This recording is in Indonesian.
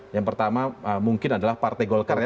yang pertama mungkin adalah partai golkar ya